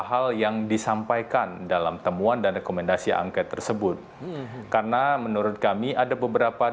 hal yang disampaikan dalam temuan dan rekomendasi angket tersebut karena menurut kami ada beberapa